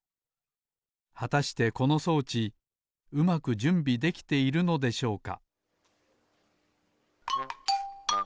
はたしてこの装置うまくじゅんびできているのでしょうか？